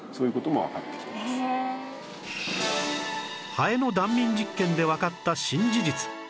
ハエの断眠実験でわかった新事実